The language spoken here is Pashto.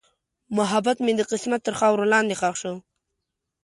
محبت مې د قسمت تر خاورو لاندې ښخ شو.